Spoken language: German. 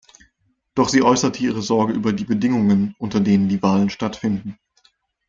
Doch sie äußerte ihre Sorge über die Bedingungen, unter denen die Wahlen stattfinden.